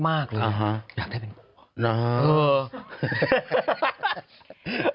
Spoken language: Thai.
อยากได้เป็นบลูก